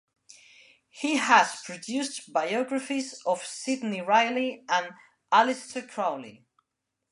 He has produced biographies of Sidney Reilly and Aleister Crowley.